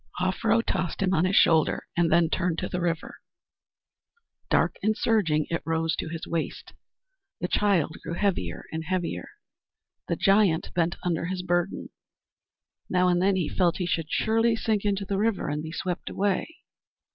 Offero tossed him on his shoulder and then turned to the river. Dark and surging it rose to his waist. The child grew heavier and heavier. The giant bent under his burden. Now and then he felt he should surely sink into the river and be swept away.